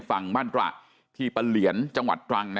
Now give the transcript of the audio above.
ฝั่งมั่นตรว